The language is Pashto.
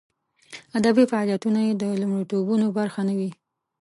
ادبي فعالیتونه یې د لومړیتوبونو برخه نه وي.